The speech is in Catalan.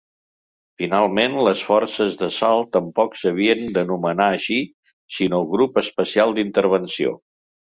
Finalment, les forces d'assalt tampoc s'havien d'anomenar així, sinó Grup Especial d'Intervenció.